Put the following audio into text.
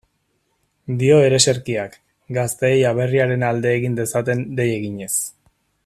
Dio ereserkiak, gazteei aberriaren alde egin dezaten dei eginez.